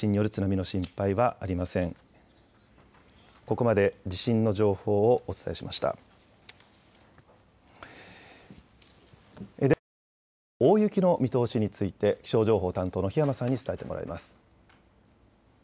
では、このあとの大雪の見通しについて気象情報担当の檜山さんに伝えてもらいます。